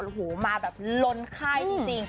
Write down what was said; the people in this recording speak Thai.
โอโหมาแบบล้นค่ายจริงจริง